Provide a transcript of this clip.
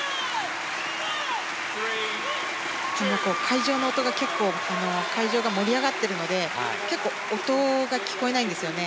会場の音が、結構会場が盛り上がっているので結構音が聞こえないんですよね。